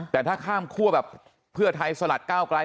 แต่ถ้าข้ามคั่วแบบเพื่อไทยสลัดก้าวไกล